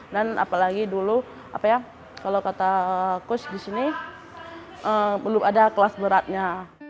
dan apalagi dulu kalau kata coach di sini belum ada kelas beratnya